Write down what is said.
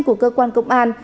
của cơ quan công an